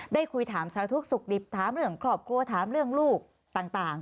ได้คุยถามสารทุกข์สุขดิบถามเรื่องครอบครัวถามเรื่องลูกต่าง